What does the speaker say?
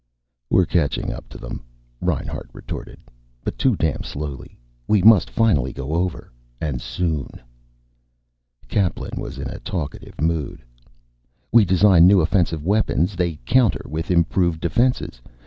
"We're catching up to them," Reinhart retorted. "But too damn slowly. We must finally go over and soon." Kaplan was in a talkative mood. "We design new offensive weapons, they counter with improved defenses.